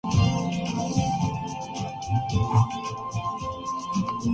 اسکے معانی پر اور مفہوم پر کبھی غورکیا بھی نہیں